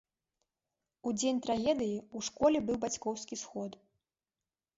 У дзень трагедыі у школе быў бацькоўскі сход.